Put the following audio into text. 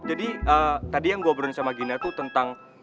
jadi tadi yang gue obron sama gina tuh tentang